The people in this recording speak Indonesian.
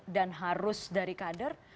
dan harus dari kader